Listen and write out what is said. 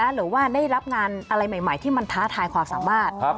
หรือว่าได้รับงานอะไรใหม่ที่มันท้าทายความสามารถ